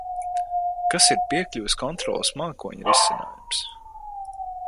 Kas ir piekļuves kontroles mākoņrisinājums?